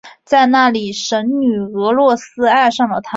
在那里神女俄诺斯爱上了他。